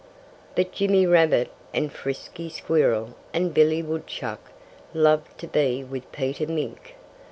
But Jimmy Rabbit and Frisky Squirrel and Billy Woodchuck loved to be with Peter Mink.